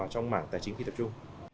trong mảng tài chính phi tập trung